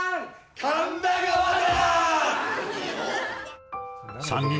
「神田川」だ！